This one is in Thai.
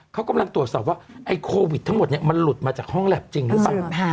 เขากำลังตรวจสอบว่าไอ้โควิดทั้งหมดมันหลุดมาจากห้องแล็บจริงหรือเปล่า